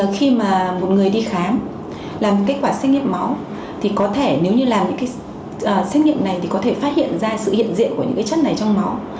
khi một người đi khám làm kết quả xét nghiệm máu nếu như làm những xét nghiệm này thì có thể phát hiện ra sự hiện diện của những chất này trong máu